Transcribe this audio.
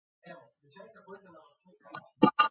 არაბთა წვლილი უდიდესი იყო მედიცინაშიც.